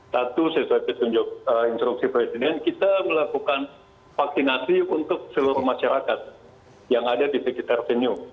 satu sesuai petunjuk instruksi presiden kita melakukan vaksinasi untuk seluruh masyarakat yang ada di sekitar venue